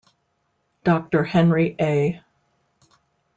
Doctor Henry A.